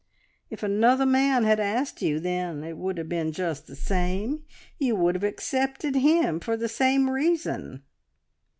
"If another man had asked you, then, it would have been just the same. You would have accepted him for, the same reason!"